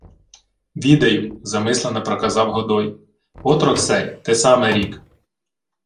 — Відаю, — замислено проказав Годой. — Отрок сей те саме рік.